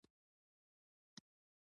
هغه څوک چې په ژبه وهل کوي.